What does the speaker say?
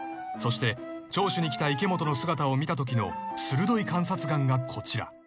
［そして聴取に来た池本の姿を見たときの鋭い観察眼がこちら］